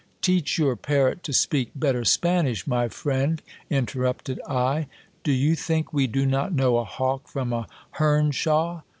Teach your parrot to speak better Spanish, my friend, interrupted I ; do you think we do not know a hawk from a hernshaw